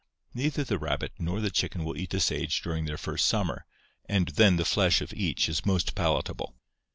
Neither the rabbit nor the chicken will eat the sage during their first summer and then the flesh of each is most palatable.